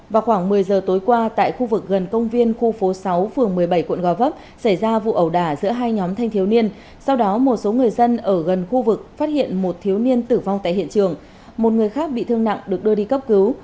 vào khoảng một mươi giờ tối qua tại khu vực gần công viên khu phố sáu phường một mươi bảy quận gò vấp xảy ra vụ ẩu đả giữa hai nhóm thanh thiếu niên sau đó một số người dân ở gần khu vực phát hiện một thiếu niên tử vong tại hiện trường một người khác bị thương nặng được đưa đi cấp cứu